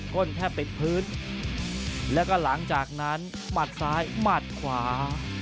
้นแทบติดพื้นแล้วก็หลังจากนั้นหมัดซ้ายหมัดขวา